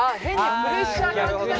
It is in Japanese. プレッシャー。